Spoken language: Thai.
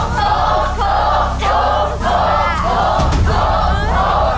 โทษโทษโทษ